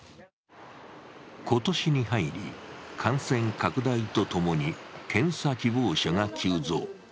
今年に入り、感染拡大とともに検査希望者が急増。